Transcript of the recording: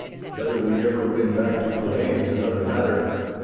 Whether we ever win back to Culzean is another matter.